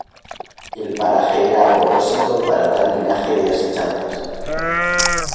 el paraje era a propósito para tal linaje de asechanzas: